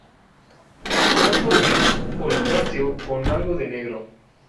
Manto gris oliváceo con algo de negro.